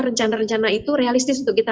rencana rencana itu realistis untuk kita